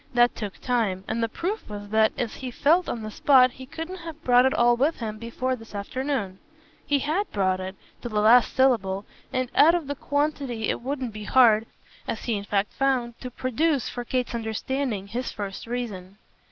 That took time, and the proof was that, as he felt on the spot, he couldn't have brought it all with him before this afternoon. He HAD brought it, to the last syllable, and, out of the quantity it wouldn't be hard as he in fact found to produce, for Kate's understanding, his first reason.